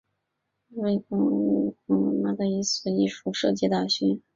魏玛包豪斯大学是位于德国魏玛的一所艺术设计大学。